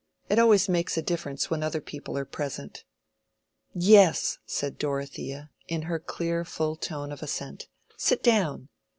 It always makes a difference when other people are present." "Yes," said Dorothea, in her clear full tone of assent. "Sit down."